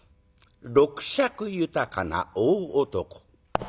六尺豊かな大男。